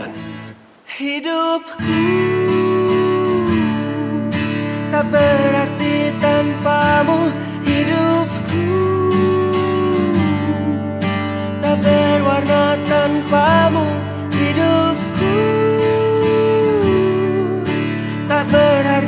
jangan lupa like share dan subscribe